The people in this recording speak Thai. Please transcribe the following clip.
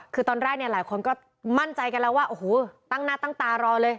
คือตอนแรกเนี่ยหลายคนก็มั่นใจกันแล้วว่าโอ้โหตั้งหน้าตั้งตารอเลย